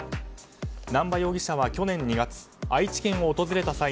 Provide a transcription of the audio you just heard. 南波容疑者は去年２月、愛知県を訪れた際